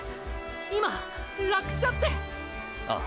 今「落車」って⁉ああ。